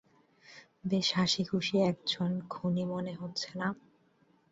বেশ হাসিখুশি একজন খুনি মনে হচ্ছে না?